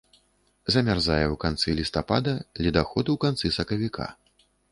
Замярзае ў канцы лістапада, ледаход у канцы сакавіка.